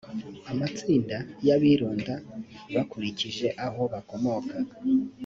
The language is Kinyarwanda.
amatsinda y abironda bakurikije aho bakomoka